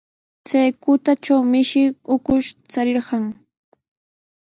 Chay kutatraw mishi ukush charirqun.